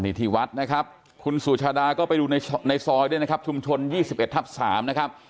นี่ที่วัดนะครับคุณสุชาดาก็ไปดูในซอยด้วยนะครับชุมชน๒๑ทับ๓นะครับ